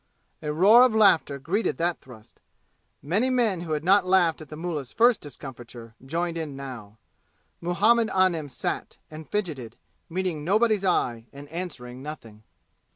A roar of laughter greeted that thrust. Many men who had not laughed at the mullah's first discomfiture, joined in now. Muhammad Anim sat and fidgeted, meeting nobody's eye and answering nothing.